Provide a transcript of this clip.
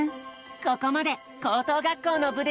ここまで高等学校の部でした。